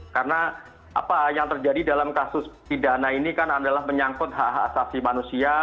karena apa yang terjadi dalam kasus pidana ini kan adalah menyangkut hak hak asasi manusia